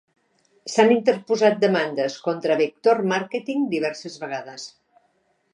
S'han interposat demandes contra Vector Marketing diverses vegades.